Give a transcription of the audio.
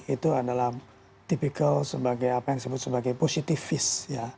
itu adalah tipikal sebagai apa yang disebut sebagai positivis